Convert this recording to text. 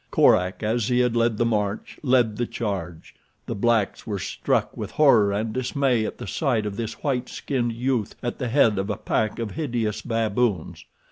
Korak, as he had led the march, led the charge. The blacks were struck with horror and dismay at the sight of this white skinned youth at the head of a pack of hideous baboons.